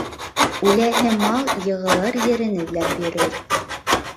Үләһе мал йығылыр ерен эҙләп йөрөр.